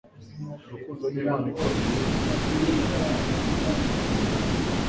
urukundo nimpano ikomeye imana yaduhaye. ni ubuntu